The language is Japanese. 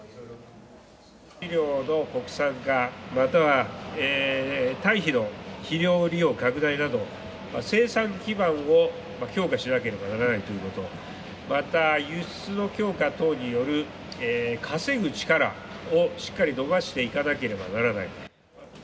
飼料の国産化、またはたい肥の肥料利用拡大など、生産基盤を強化しなければならないということ、また輸出の強化等による、稼ぐ力をしっかり伸ばしていかなければならない。